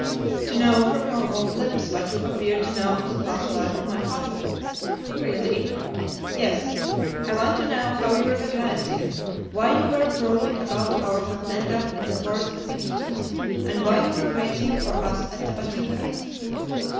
"To know from your own lips what you appear to know of the past life of my father." "Really?" "Yes. I want to know how you recognized him, why you were prowling about our fazenda in the forest of Iquitos, and why you were waiting for us at Tabatinga."